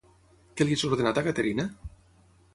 Què li és ordenat a Caterina?